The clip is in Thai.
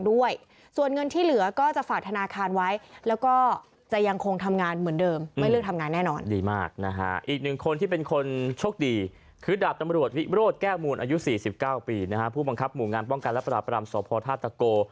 อวิโรธแก้มูลอายุ๔๙ปีผู้บังคับหมู่งานป้องกันและปราบรรมสพธาตุโก